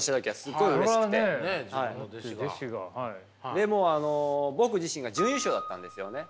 でもあの僕自身が準優勝だったんですよね。